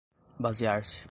basear-se